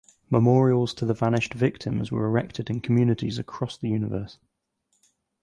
Memorials to the "vanished" victims were erected in communities across the universe.